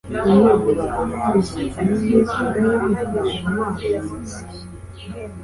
Yashyize mu ziko amashanyarazi mashya.